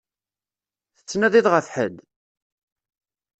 Tettnadiḍ ɣef ḥedd?